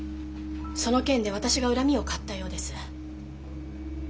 その件で私が恨みを買ったようです。